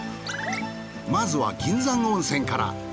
まずは銀山温泉から。